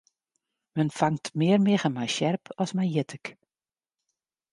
Men fangt mear miggen mei sjerp as mei jittik.